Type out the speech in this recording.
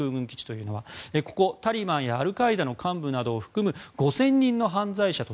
ここはタリバンやアルカイダの幹部を含む５０００人の犯罪者と